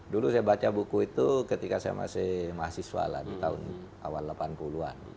dulu saya baca buku itu ketika saya masih mahasiswa lah di tahun awal delapan puluh an